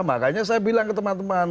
makanya saya bilang ke teman teman